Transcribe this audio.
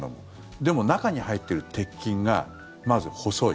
でも、中に入ってる鉄筋がまず細い。